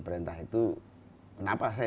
perintah itu kenapa saya